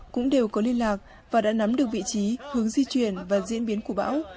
cũng đều có liên lạc và đã nắm được vị trí hướng di chuyển và diễn biến của bão